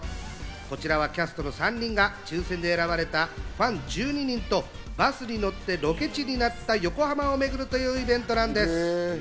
こちらはキャストの３人が抽選で選ばれたファン１２人とバスに乗ってロケ地になった横浜を巡るというイベントなんです。